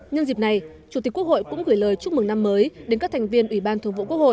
nhân dịp này chủ tịch quốc hội cũng gửi lời chúc mừng năm mới đến các thành viên ủy ban thường vụ quốc hội